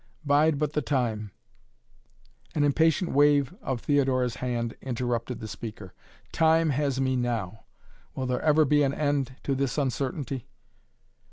Bide but the time " An impatient wave of Theodora's hand interrupted the speaker. "Time has me now! Will there ever be an end to this uncertainty?"